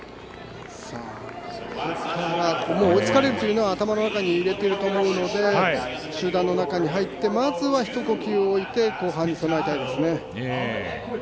もう追いつかれるというのは頭にあると思うので集団の中に入ってまずは一呼吸置いて後半に備えたいですね。